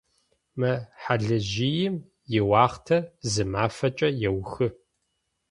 Мы хьалыжъыем иуахътэ зы мафэкӏэ еухы.